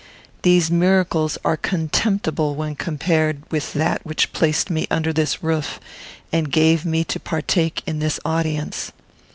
These miracles are contemptible when compared with that which placed me under this roof and gave me to partake in this audience.